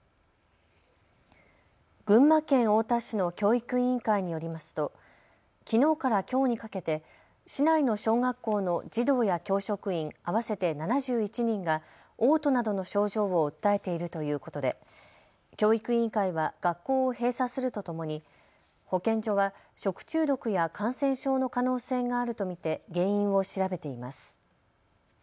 群馬県太田市の教育委員会によりますと、きのうからきょうにかけて市内の小学校の児童や教職員、合わせて７１人がおう吐などの症状を訴えているということで教育委員会は学校を閉鎖するとともに保健所は食中毒や感染症の可能性があると見て原因を調べています。